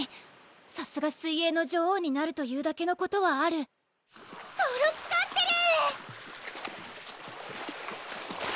さすが水泳の女王になると言うだけのことはあるトロピカってる！